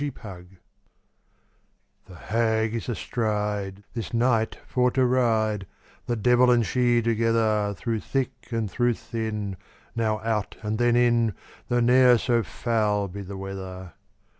THE HAG The Hag is astride, This night for to ride, The devil and she together; Through thick and through thin, Now out, and then in, Though ne'er so foul be the weather.